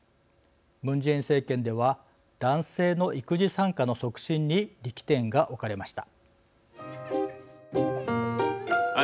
ムン・ジェイン政権では男性の育児参加の促進に力点が置かれました。